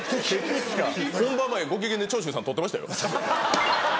本番前ご機嫌で長州さん撮ってましたよ。